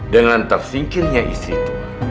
dengan tersingkirnya istri itu